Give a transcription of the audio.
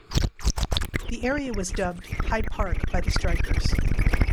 The area was dubbed "Hyde Park" by the strikers.